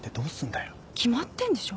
決まってんでしょ。